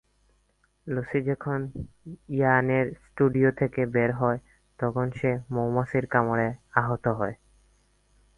Lucy যখন ইয়ানের studio থেকে বের হয়, তখন সে মৌমাছির কামড়ে আহত হয়।